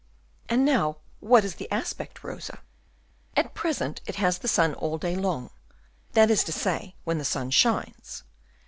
"And now what is the aspect, Rosa?" "At present it has the sun all day long, that is to say when the sun shines.